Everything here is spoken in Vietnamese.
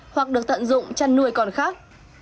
hoặc được tận dụng chăn nuôi con khác